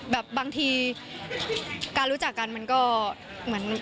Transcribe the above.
แบบบางทีการรู้จักกันมันก็เหมือน